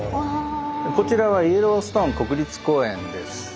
こちらはイエローストーン国立公園です。